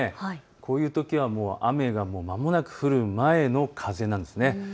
こういうときは、もう雨がまもなく降る前の風なんですね。